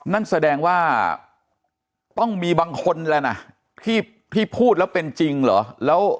นั่นแสดงว่าต้องมีบางคนแล้วนะที่พูดแล้วเป็นจริงเหรอ